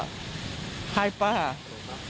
ใช่ป่าว